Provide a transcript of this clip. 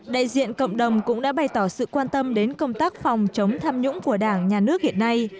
đại diện cộng đồng cũng đã bày tỏ sự quan tâm đến công tác phòng chống tham nhũng của đảng nhà nước hiện nay